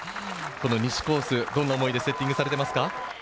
西コース、どんな思いでセッティングされていますか？